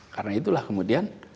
karena itulah kemudian